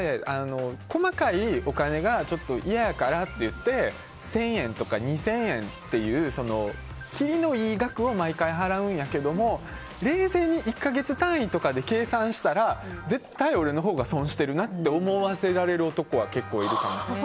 細かいお金が嫌やからって１０００円とか２０００円という切りのいい額を毎回払うんやけど冷静に１か月単位とかで計算したら絶対俺のほうが損してるなって思わせられる男は結構いるかも。